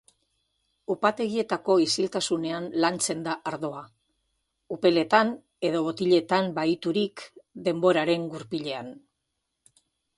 Upategietako isiltasunean lantzen da ardoa, upeletan edota botiletan bahiturik, denboraren gurpilean.